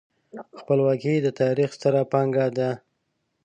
خپلواکي د تاریخ ستره پانګه ده.